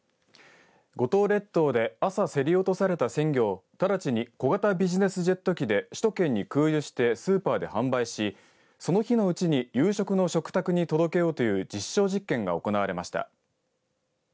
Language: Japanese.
五島列島で朝、競り落とされた鮮魚を直ちに小型ビジネスジェット機で首都圏に空輸してスーパーで販売しその日のうちに夕食の食卓に届けようという実証実験が行われました。